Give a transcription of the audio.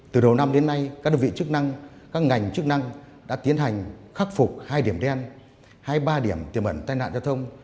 từ đầu năm đến nay các đơn vị chức năng các ngành chức năng đã tiến hành khắc phục hai điểm đen hai mươi ba điểm tiềm ẩn tai nạn giao thông